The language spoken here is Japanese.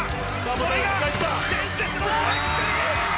これが伝説の締めくくり！